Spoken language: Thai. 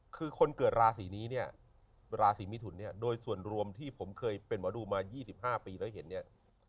คือคนเกิดราศีนี้เนี่ยราศีมิถุนเนี่ยโดยส่วนรวมที่ผมเคยเป็นหมอดูมา๒๕ปีแล้วเห็นเนี่ย